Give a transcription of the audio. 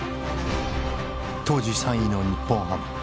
当時３位の日本ハム。